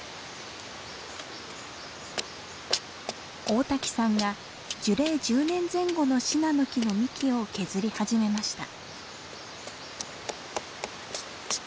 大滝さんが樹齢１０年前後のシナノキの幹を削り始めました。